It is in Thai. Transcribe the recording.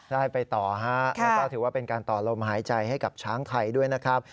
ได้ไปต่อฮะแล้วก็ถือว่าเป็นการต่อลมหายใจให้กับช้างไทยด้วยนะครับ